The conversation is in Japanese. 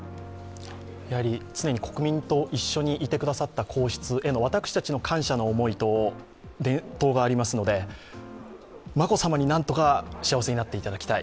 やはり常に国民と一緒にいてくださった皇室への私たちの感謝の思いと伝統がありますので眞子さまに何とか幸せになっていただきたい。